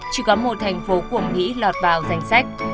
chỉ có một thành phố của mỹ lọt vào danh sách